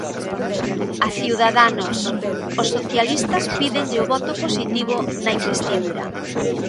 A Ciudadanos, os socialistas pídenlle o voto positivo na investidura.